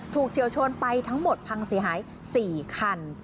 เฉียวชนไปทั้งหมดพังเสียหาย๔คัน